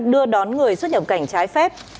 đưa đón người xuất nhập cảnh trái phép